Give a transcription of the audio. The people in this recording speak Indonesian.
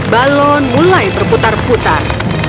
balon mulai berputar putar